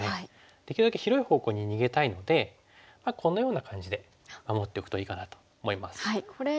できるだけ広い方向に逃げたいのでこのような感じで守っておくといいかなと思います。